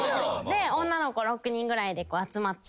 で女の子６人ぐらいで集まって。